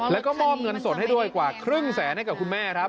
แล้วก็มอบเงินสดให้ด้วยกว่าครึ่งแสนให้กับคุณแม่ครับ